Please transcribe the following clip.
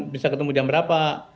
bisa ketemu jam berapa